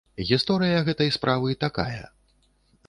Гісторыя гэтай справы такая.